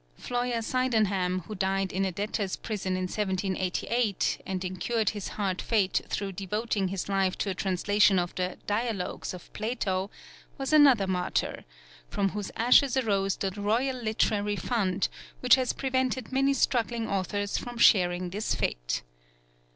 Floyer Sydenham, who died in a debtors' prison in 1788, and incurred his hard fate through devoting his life to a translation of the Dialogues of Plato, was another martyr; from whose ashes arose the Royal Literary Fund, which has prevented many struggling authors from sharing his fate.